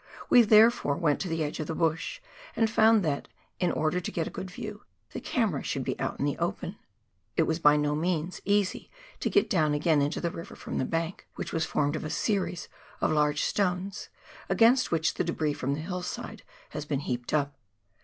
We therefore went to the edge of the bush, and found that, in order to get a good view, the camera should be out in the open. It was by no means easy to get down again into the river from the bank, which was' formed of a series of large stones, against which the debris from the hillside has been heaped up.